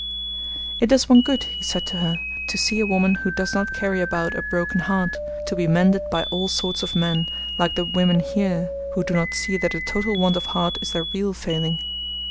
'It does one good,' he said to her, 'to see a woman who does not carry about a broken heart, to be mended by all sorts of men, like the women here, who do not see that a total want of heart is their real failing.'